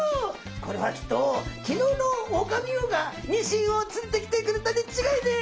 これはきっと昨日のオオカミウオがニシンを連れてきてくれたに違いねえ。